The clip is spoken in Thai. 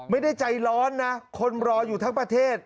ไม่ได้ใจร้อนนะคนรออยู่ทั้งประเทศ